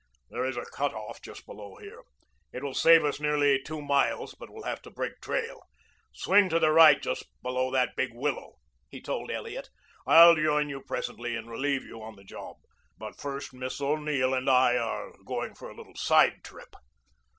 "There is a cutoff just below here. It will save us nearly two miles, but we'll have to break trail. Swing to the right just below the big willow," he told Elliot. "I'll join you presently and relieve you on the job. But first Miss O'Neill and I are going for a little side trip."